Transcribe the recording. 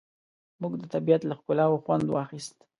موږ د طبیعت له ښکلا خوند واخیست.